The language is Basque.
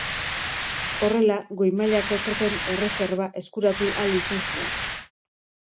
Horrela, goi mailako tropen erreserba eskuratu ahal izan zuen.